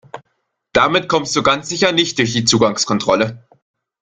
Damit kommst du ganz sicher nicht durch die Zugangskontrolle.